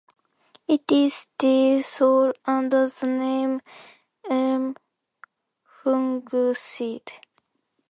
It is still sold under the name "Elm Fungicide".